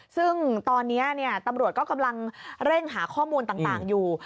ซึ่งตอนนี้ตำรวจก็กำลังเร่งหาข้อมูลต่างอยู่